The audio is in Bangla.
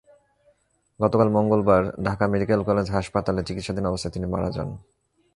গতকাল মঙ্গলবার ঢাকা মেডিকেল কলেজ হাসপাতালে চিকিৎসাধীন অবস্থায় তিনি মারা যান।